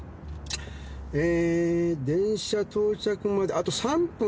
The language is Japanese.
えー電車到着まであと３分だ。